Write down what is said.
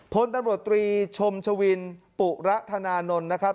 พลตำรวจตรีชมชวินปุระธนานนท์นะครับ